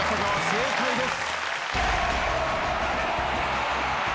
正解です。